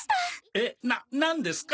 えっななんですか？